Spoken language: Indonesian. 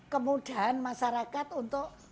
kemudahan masyarakat untuk